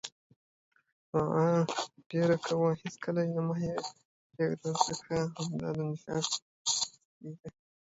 دعاء ډېره کوه، هیڅکله یې مه پرېږده، ځکه همدا د نجات رسۍ ده